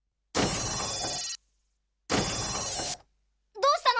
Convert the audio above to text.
どうしたの？